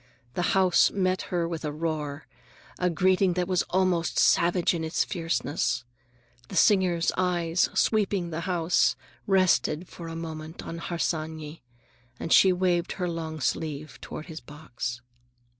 The house met her with a roar, a greeting that was almost savage in its fierceness. The singer's eyes, sweeping the house, rested for a moment on Harsanyi, and she waved her long sleeve toward his box.